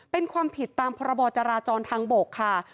เป็นความผิดตามพรบจราจรทางบกค่ะ